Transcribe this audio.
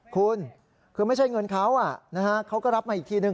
คุณคือไม่ใช่เงินเขาเขาก็รับมาอีกทีนึง